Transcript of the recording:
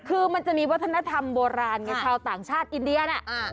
คือมันจะมีวัฒนธรรมโบราณไงชาวต่างชาติอินเดียน่ะ